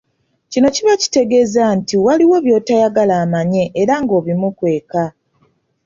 Kino kiba kitegeeza nti waliwo by'otayagala amanye era ng'obimukweka.